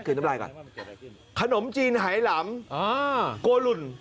นะฮะนี่ขนมจีนไหล่ก่อนโกรุ่น